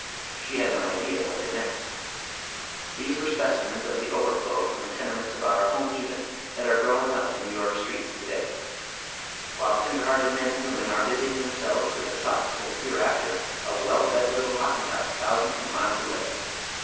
She had no idea what they meant. These were specimens of tlie ovei flow from tlie tenements of our home heathen that are growing np in New York's streets to day, while tender hearted men and women are busying themselves with the socks and the hei eafter of well fed little Hottentots thousands of miles away.